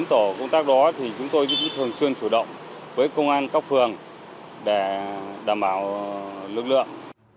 bốn tổ công tác đó chúng tôi thường xuyên chủ động với công an các phường để đảm bảo lực lượng